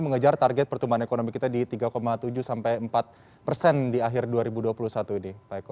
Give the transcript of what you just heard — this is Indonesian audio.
mengejar target pertumbuhan ekonomi kita di tiga tujuh sampai empat persen di akhir dua ribu dua puluh satu ini pak eko